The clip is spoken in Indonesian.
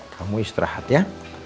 kamu istirahat ya